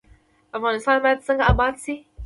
افغانستان باید څنګه اباد شي؟